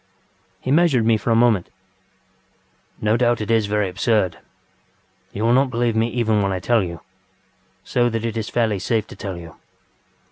ŌĆØ He measured me for a moment. ŌĆ£No doubt it is very absurd. You will not believe me even when I tell you, so that it is fairly safe to tell you.